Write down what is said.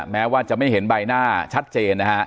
แม้ว่าจะไม่เห็นใบหน้าชัดเจนนะฮะ